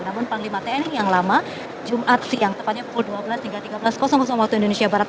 namun panglima tni yang lama jumat siang tepatnya pukul dua belas hingga tiga belas waktu indonesia barat